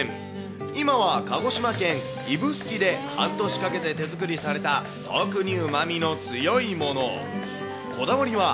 今は鹿児島県指宿で半年かけて手作りされた特にうまみの強いもの。